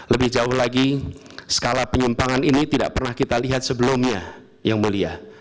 lebih jauh lagi skala penyimpangan ini tidak pernah kita lihat sebelumnya yang mulia